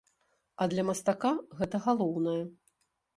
А для мастака гэта галоўнае.